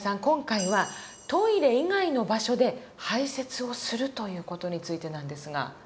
今回はトイレ以外の場所で排泄をするという事についてなんですが。